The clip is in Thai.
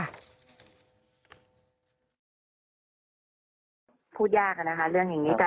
พูดยากนะคะเรื่องอย่างนี้